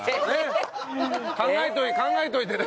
考えといてね。